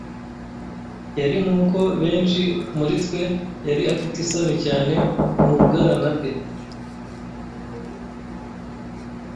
Yari, nkuko benshi muri twe yari afite isoni cyane mu bwana bwe.